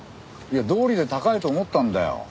どうりで高いと思ったんだよ。